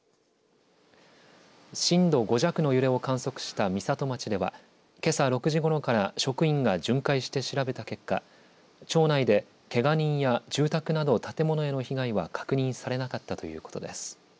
震度５弱の揺れを観測した美里町では、けさ６時ごろから職員が巡回して調べた結果、町内でけが人や住宅など建物への被害は確認されなかったということです。